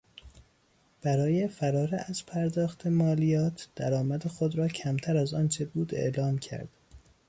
برای فرار از پرداخت مالیات درآمد خود را کمتر از آنچه بود اعلام کرد.